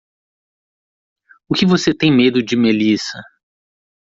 O que você tem medo de Melissa?